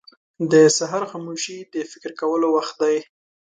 • د سهار خاموشي د فکر کولو وخت دی.